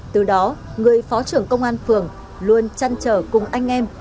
từ đó người phó trưởng công an phường luôn chăn trở cùng anh em